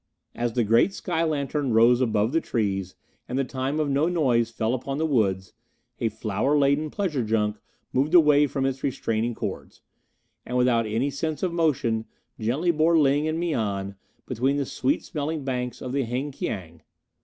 As the great sky lantern rose above the trees and the time of no noise fell upon the woods, a flower laden pleasure junk moved away from its restraining cords, and, without any sense of motion, gently bore Ling and Mian between the sweet smelling banks of the Heng Kiang.